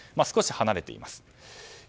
少し離れています。